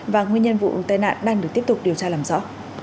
và nguyên nhân vụ tai nạn đang được tiếp tục điều tra làm rõ